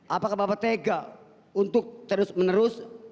apakah bapak tega untuk terus menerus